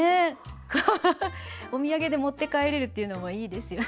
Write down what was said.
お土産で持って帰れるっていうのもいいですよね。